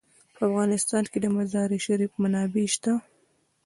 په افغانستان کې د مزارشریف منابع شته.